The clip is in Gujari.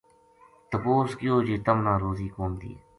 تپوس کیو جی تمنا روزی کون دیے